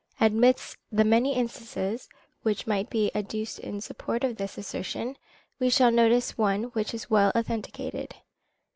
Amidst the many instances which might be adduced in support of this assertion, we shall notice one which is well authenticated.